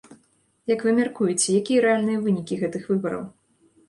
Як вы мяркуеце, якія рэальныя вынікі гэтых выбараў?